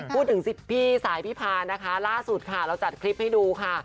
พูดถึงพี่สายพี่พานะคะล่าสุดค่ะเราจัดคลิปให้ดูค่ะ